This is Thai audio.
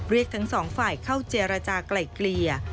เรียกทั้งสองฝ่ายเข้าเจรจากลายเกลี่ย